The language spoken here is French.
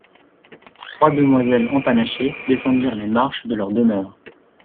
Trois demoiselles empanachées descendirent les marches de leur demeure.